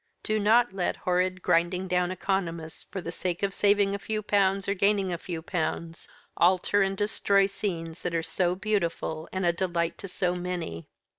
Do not let horrid grinding down economists, for the sake of saving a few pounds or gaining a few pounds, alter and destroy scenes that are so beautiful and a delight to so many.